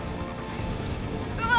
うわ！